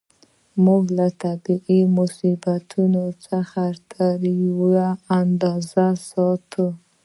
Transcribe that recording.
موږ له طبیعي مصیبتونو څخه تر یوې اندازې ساتي.